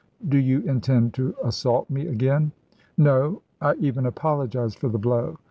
"Do you intend to assault me again?" "No; I even apologise for the blow.